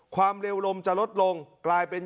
ความเร็วลมจะลดลงกลายเป็น